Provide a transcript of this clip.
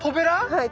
はい。